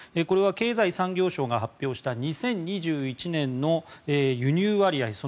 これは経済産業省が発表した２０２１年の輸入割合